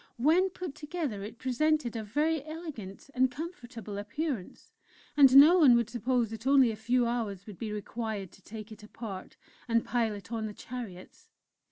When put together it presented a very elegant and comfortable appearance, and no one would suppose that only a few hours would be required to take it apart and pile it on the chariots.